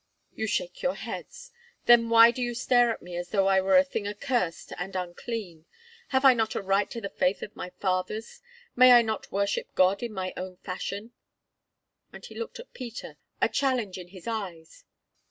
You shake your heads; then why do you stare at me as though I were a thing accursed and unclean? Have I not a right to the faith of my fathers? May I not worship God in my own fashion?" And he looked at Peter, a challenge in his eyes.